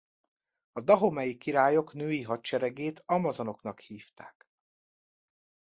A dahomey-i királyok női hadseregét amazonoknak hívták.